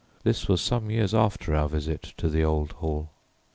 This was some years after our visit to the old Hall.